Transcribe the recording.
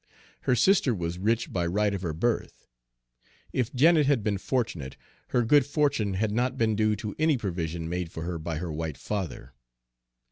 Her sister was rich by right of her birth; if Janet had been fortunate, her good fortune had not been due to any provision made for her by her white father.